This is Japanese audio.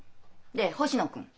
で星野君。